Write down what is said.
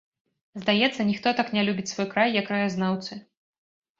Здаецца, ніхто так не любіць свой край, як краязнаўцы.